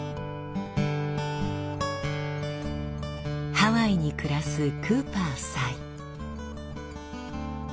ハワイに暮らすクーパー夫妻。